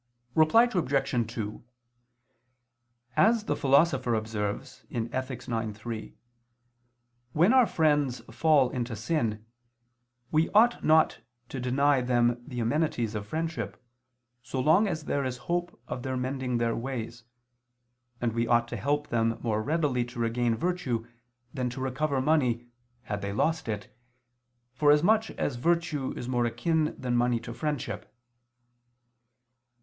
Reply Obj. 2: As the Philosopher observes (Ethic. ix, 3), when our friends fall into sin, we ought not to deny them the amenities of friendship, so long as there is hope of their mending their ways, and we ought to help them more readily to regain virtue than to recover money, had they lost it, for as much as virtue is more akin than money to friendship.